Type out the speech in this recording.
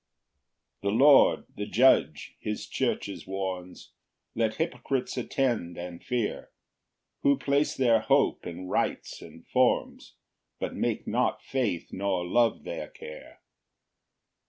1 The Lord, the Judge, his churches warns, Let hypocrites attend and fear, Who place their hope in rites and forms, But make not faith nor love their care.